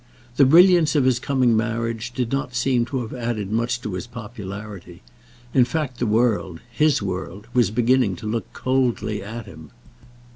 The brilliance of his coming marriage did not seem to have added much to his popularity; in fact, the world, his world, was beginning to look coldly at him.